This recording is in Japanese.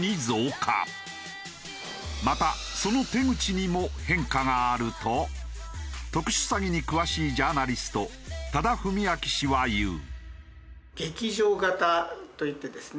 またその手口にも変化があると特殊詐欺に詳しいジャーナリスト多田文明氏は言う。